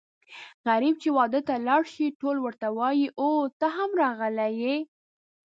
غريب چې واده ته لاړ شي ټول ورته وايي اووی ته هم راغلی یې.